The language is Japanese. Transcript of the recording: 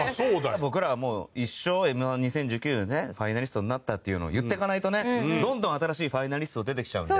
僕らはもう一生Ｍ−１２０１９のねファイナリストになったっていうのを言っていかないとねどんどん新しいファイナリスト出てきちゃうので。